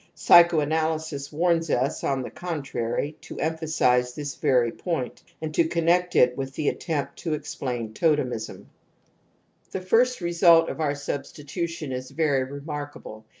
Psychoanalysis warns us, on the contrary, to emphasize this very point and to connect it with the attempt to explain totem ism *^. The first result of our substitution is vei remarkable.